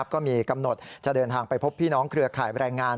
ก็มีกำหนดจะเดินทางไปพบพี่น้องเครือข่ายแรงงาน